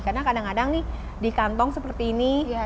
karena kadang kadang di kantong seperti ini